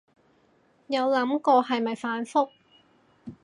有諗過係咪反覆